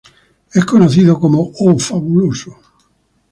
Es conocido como "O Fabuloso".